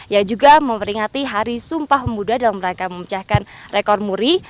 yang juga memperingati hari sumpah pemuda dalam rangka memecahkan rekor muri